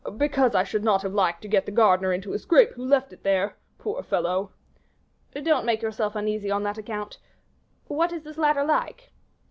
"Because I should not have liked to get the gardener into a scrape who left it there poor fellow!" "Don't make yourself uneasy on that account. What is this ladder like?"